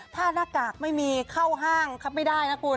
ถ้าหน้ากากไม่มีเข้าห้างครับไม่ได้นะคุณ